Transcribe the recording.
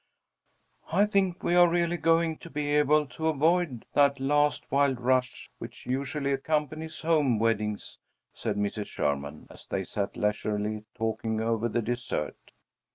"I think we are really going to be able to avoid that last wild rush which usually accompanies home weddings," said Mrs. Sherman, as they sat leisurely talking over the dessert.